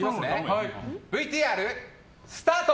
ＶＴＲスタート！